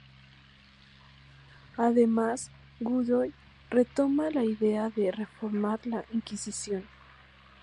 Además Godoy retomó la idea de reformar la Inquisición.